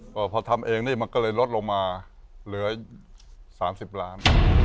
ก็พอทำเองนี่มันก็เลยลดลงมาเหลือ๓๐ล้าน